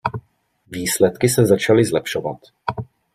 Výsledky se začaly zlepšovat.